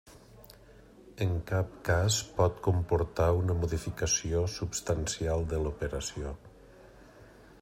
En cap cas pot comportar una modificació substancial de l'operació.